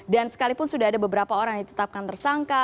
dan sekalipun sudah ada beberapa orang yang ditetapkan tersangka